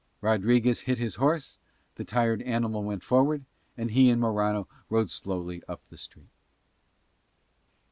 Rodriguez hit his horse, the tired animal went forward, and he and Morano rode slowly up the street.